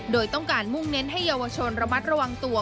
โดยต้องการมุ่งเน้นให้เยาวชนระมัดระวังตัว